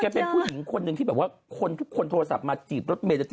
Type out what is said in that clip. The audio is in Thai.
ถ้าเป็นผู้ถึงคนหนึ่งที่บอกว่าทุกคนโทรศัพท์มาจีบเมย์